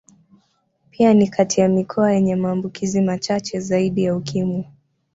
Pia ni kati ya mikoa yenye maambukizi machache zaidi ya Ukimwi.